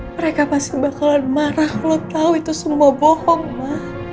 mereka pasti bakalan marah lo tau itu semua bohong mah